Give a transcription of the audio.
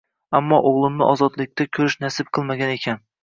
Ammo, o`g`limni ozodlikda ko`rish nasib qilmagan ekan